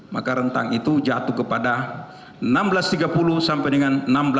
maka rentang itu jatuh kepada enam belas tiga puluh sampai dengan enam belas